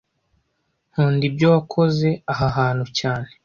Nkunda ibyo wakoze aha hantu cyane